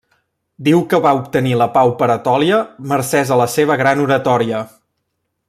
Diu que va obtenir la pau per Etòlia mercès a la seva gran oratòria.